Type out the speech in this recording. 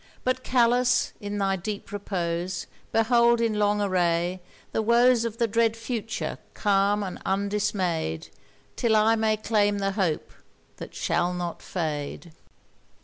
But callous, in thy deep repose Behold, in long array, the woes Of the dread future, calm and undismay'd, Till I may claim the hope that shall not fade!